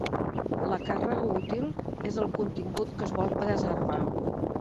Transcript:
La càrrega útil és el contingut que es vol preservar.